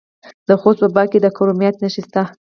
د خوست په باک کې د کرومایټ نښې شته.